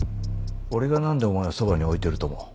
俺が何でお前をそばに置いてると思う？